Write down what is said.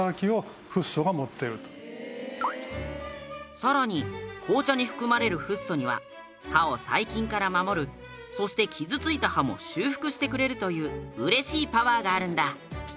さらに紅茶に含まれるフッ素には歯を細菌から守るそして傷ついた歯も修復してくれるという嬉しいパワーがあるんだ。